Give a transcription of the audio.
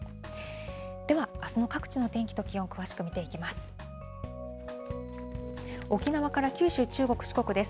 では、あすの各地の天気と気温、詳しく見ていきます。